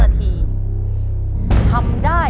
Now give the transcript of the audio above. ตัวเลือกที่สามอดทน